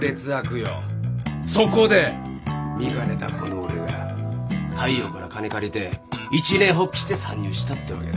そこで見かねたこの俺が大陽から金借りて一念発起して参入したってわけだ